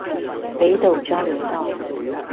北斗交流道